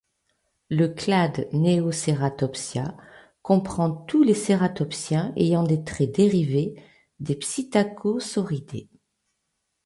Le clade Neoceratopsia comprend tous les cératopsiens ayant des traits dérivés des psittacosauridés.